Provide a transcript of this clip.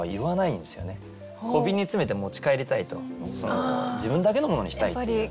小瓶に詰めて持ち帰りたいと自分だけのものにしたいっていう。